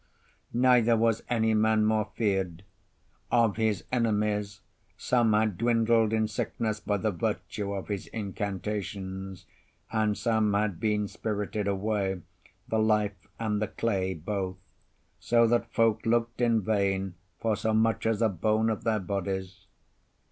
Neither was any man more feared: of his enemies, some had dwindled in sickness by the virtue of his incantations, and some had been spirited away, the life and the clay both, so that folk looked in vain for so much as a bone of their bodies.